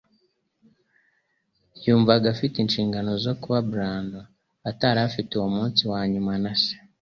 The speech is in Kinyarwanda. Yumvaga afite inshingano zo kuba Brandon atari afite uwo munsi wanyuma na se.